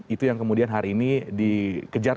itu yang kemudian hari ini dikejar